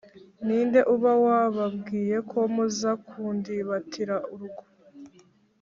ni nde uba wababwiye ko muza kundibatira urugo?